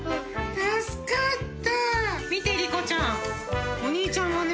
助かった！